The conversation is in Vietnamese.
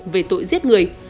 về tội giết người